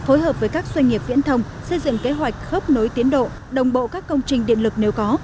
phối hợp với các doanh nghiệp viễn thông xây dựng kế hoạch khớp nối tiến độ đồng bộ các công trình điện lực nếu có